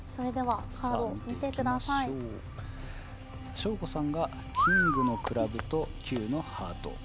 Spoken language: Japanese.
省吾さんがキングのクラブと９のハート。